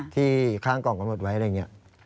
ที่ข้างกล่องกำหนดไว้อะไรอย่างนี้